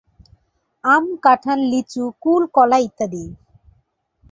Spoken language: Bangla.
আম, কাঁঠাল, লিচু, কুল, কলা ইত্যাদি।